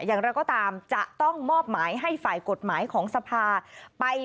อย่างไรก็ตามจะต้องมอบหมายให้ฝ่ายกฎหมายของสภาไป